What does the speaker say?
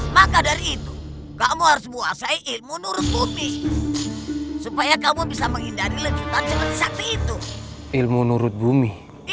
maka dari itu kamu harus memuasai ilmu nurut bumi